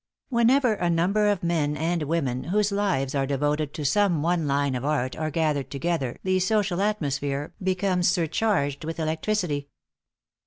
Whenever a number of men and women whose lives are devoted to some one line of art are gathered together the social atmosphere becomes surcharged with electricity.